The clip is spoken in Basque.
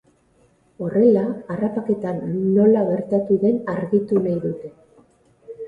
Horrela, harrapaketa nola gertatu den argitu nahi dute.